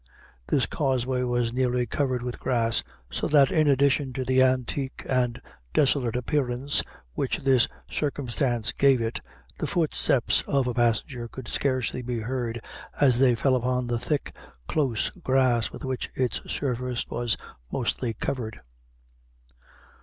This causeway was nearly covered with grass, so that in addition to the antique and desolate appearance which this circumstance gave it, the footsteps of a passenger could scarcely be heard as they fell upon the thick close grass with which its surface was mostly covered.